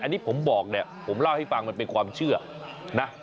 อันนี้ผมบอกเนี่ยผมเล่าให้ฟังมันเป็นความเชื่อนะ